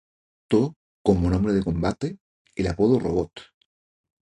Adoptó, como nombre de combate, el apodo "Robot".